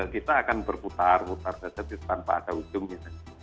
kita akan berputar putar saja tanpa ada ujungnya